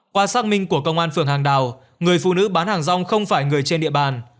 qua xác minh của công an phường hàng đào người phụ nữ bán hàng rong không phải người trên địa bàn